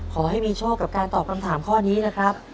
ขอให้มีโชคกับการตอบคำถามข้อนี้นะครับ